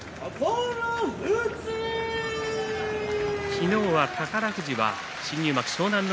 昨日は宝富士は新入幕湘南乃